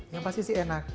yang pasti sih enak